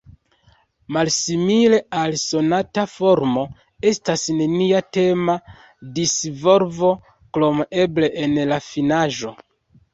Malsimile al sonata formo, estas nenia tema disvolvo krom eble en la finaĵo.